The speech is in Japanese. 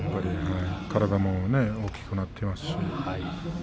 体も大きくなっていますし。